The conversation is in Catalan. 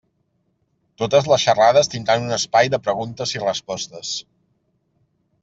Totes les xerrades tindran un espai de preguntes i respostes.